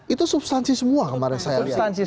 itu substansi semua kemarin saya